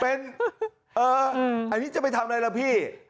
เป็นเอออันนี้จะไปทำไรล่ะพี่